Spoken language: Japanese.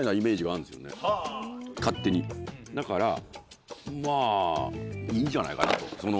勝手にだからまぁいいんじゃないかなとその。